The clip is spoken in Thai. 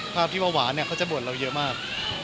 ภาพที่ว่าหวานเนี่ยเค้าจะบวชเราเยอะมาก